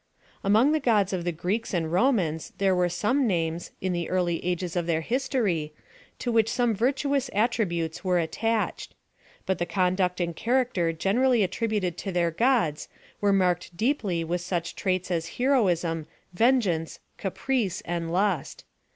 Amooir the ofods of the Greeks and Romans there were some names, in the early ages of their history, to which some virtuous attributes were attached ; but the conduct and character generally attributed to their gods were marked deeply with such traits as heroism, vengeance, caprice and lust.